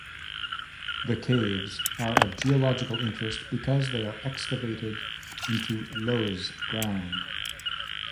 The Caves are of geological interest because they are excavated into loess ground.